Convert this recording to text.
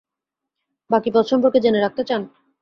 বাকি পথ সম্পর্কে জেনে রাখতে চান?